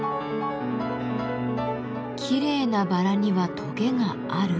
きれいなバラにはトゲがある？